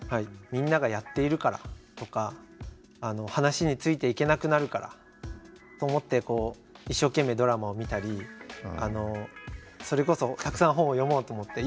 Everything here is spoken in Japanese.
みんながやっているからとか話についていけなくなるからと思って一生懸命ドラマを見たりそれこそたくさん本を読もうと思って。